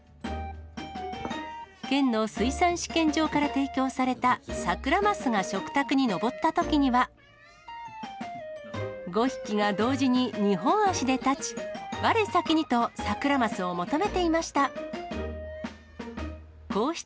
県の水産試験場から提供されたサクラマスが食卓に上ったときには、５匹が同時に二本足で立ち、われさきにとサクラマスを求めていました。